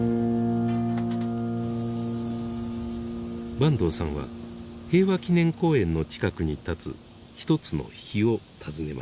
坂東さんは平和記念公園の近くに建つ一つの碑を訪ねました。